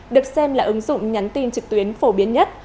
được xem là ứng dụng nhắn tin trực tuyến phổ biến nhất